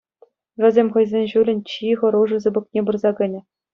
Вӗсем хӑйсен ҫулӗн чи хӑрушӑ сыпӑкне пырса кӗнӗ.